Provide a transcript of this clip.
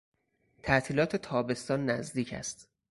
تعطیلات تابستان نزدیک است.